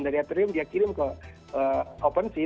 dari atrium dia kirim ke opensea